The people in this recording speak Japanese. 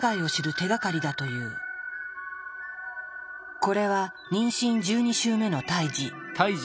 これは妊娠１２週目の胎児。